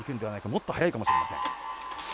もっと速いかもしれません。